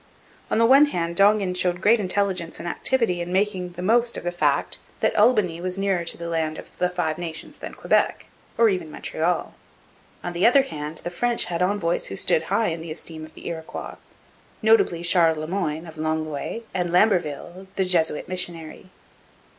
On the one hand, Dongan showed great intelligence and activity in making the most of the fact that Albany was nearer to the land of the Five Nations than Quebec, or even Montreal. On the other, the French had envoys who stood high in the esteem of the Iroquois notably Charles Le Moyne, of Longueuil, and Lamberville, the Jesuit missionary.